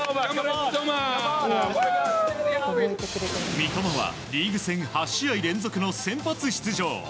三笘はリーグ戦８試合連続の先発出場。